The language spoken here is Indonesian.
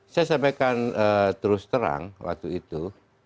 saya sampaikan terus terang waktu itu